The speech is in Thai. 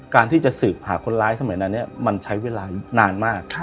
การที่จะสืบหาคนร้ายสมัยนั้นมันใช้เวลานานมาก